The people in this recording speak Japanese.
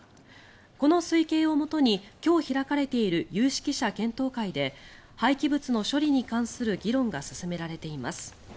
この推計をもとに今日開かれている有識者検討会で廃棄物の処理に関する議論が進められています。